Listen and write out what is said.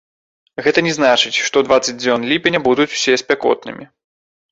Гэта не значыць, што дваццаць дзён ліпеня будуць усе спякотнымі.